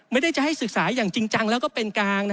ไม่ได้จะให้ศึกษาอย่างจริงจังแล้วก็เป็นกลาง